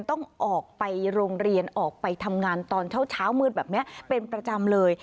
ต้องออกไปโรงเรียนออกไปทำงานตอนเช้ามืดแบบนี้เป็นประจำเลย